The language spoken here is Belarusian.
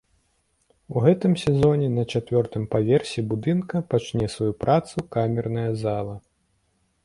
У гэтым сезоне на чацвёртым паверсе будынка пачне сваю працу камерная зала.